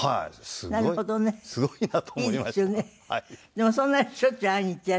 でもそんなにしょっちゅう会いに行ってらっしゃるの？